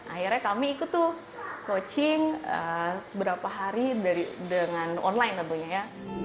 akhirnya kami ikut tuh coaching berapa hari dengan online tentunya ya